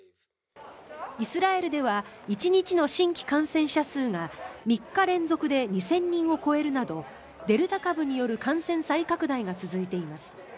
イスラエルでは１日の新規感染者数が３日連続で２０００人を超えるなどデルタ株による感染再拡大が続いています。